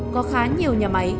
có khá nhiều nhà máy